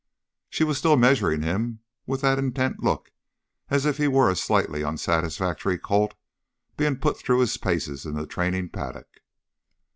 She was still measuring him with that intent look as if he were a slightly unsatisfactory colt being put through his paces in the training paddock.